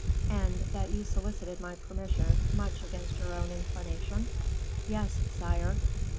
"And that you solicited my permission, much against your own inclination?" "Yes, sire."